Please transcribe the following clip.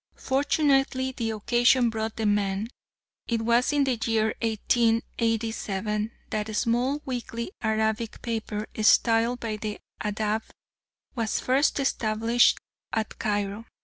Fortunately the occasion brought the man. It was in the year 1887 that a small weekly Arabic paper styled the Adab was first established at Cairo.